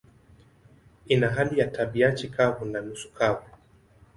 Ina hali ya tabianchi kavu na nusu kavu.